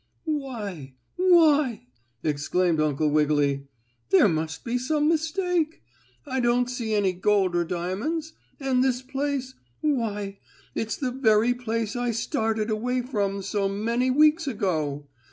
"Why why!" exclaimed Uncle Wiggily. "There must be some mistake. I don't see any gold or diamonds. And this place why, it's the very place I started away from so many weeks ago!